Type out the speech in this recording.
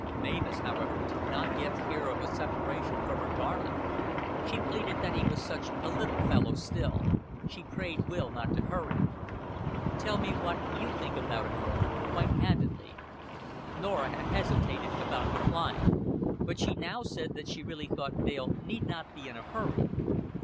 Mavis, however, would not yet hear of a separation from her darling. She pleaded that he was such a little fellow still; she prayed Will not to hurry. "Tell me what you think about it, Norah quite candidly." Norah had hesitated about replying; but she now said that she really thought Dale need not be in a hurry.